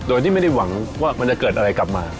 โดยที่ไม่ได้หวังว่ามันจะเกิดอะไรกลับมา